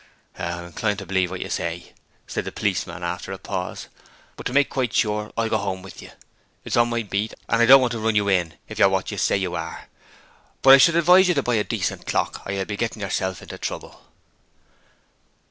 'I'm inclined to believe what you say,' said the policeman, after a pause. 'But to make quite sure I'll go home with you. It's on my beat, and I don't want to run you in if you're what you say you are, but I should advise you to buy a decent clock, or you'll be getting yourself into trouble.'